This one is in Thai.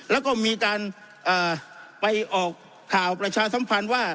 แล้วก็มีการไปออกข่าวประชาสัมพันธ์ว่า